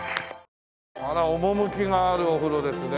あら趣があるお風呂ですね。